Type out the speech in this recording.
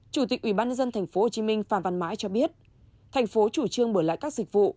chủ tịch ubnd tp hcm phạm văn mãi cho biết thành phố chủ trương mở lại các dịch vụ